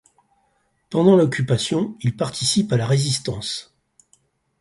Pendant l'Occupation, il participe à la Résistance.